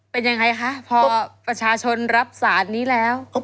เป็นยังไงคะพอประชาชนรับสารนี้แล้ว